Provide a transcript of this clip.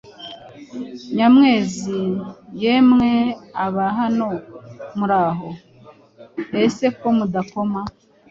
Nyamwezi: Yemwe aba hano muraho! Ese ko mudakoma